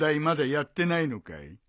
まだやってないのかい？